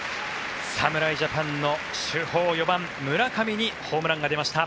侍ジャパンの主砲４番、村上にホームランが出ました。